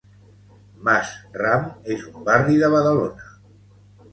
Mas Ram és un barri de Badalona.